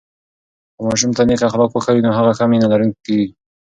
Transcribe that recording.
که ماشوم ته نیک اخلاق وښیو، نو هغه ښه مینه لرونکی کېږي.